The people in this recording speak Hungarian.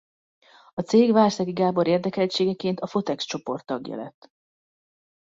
A cég Várszegi Gábor érdekeltségeként a Fotex-csoport tagja lett.